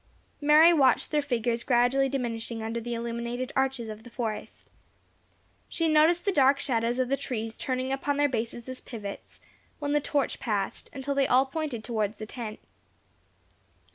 Mary watched their figures gradually diminishing under the illuminated arches of the forest. She noticed the dark shadows of the trees turning upon their bases as pivots, when the torch passed, until they all pointed towards the tent.